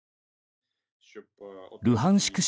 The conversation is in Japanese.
ルハンシク